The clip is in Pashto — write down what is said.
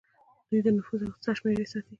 دوی د نفوس او اقتصاد شمیرې ساتي.